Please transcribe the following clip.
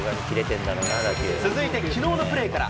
続いて、きのうのプレーから。